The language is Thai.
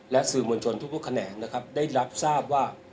สื่อมวลชนทุกแขนงนะครับได้รับทราบว่า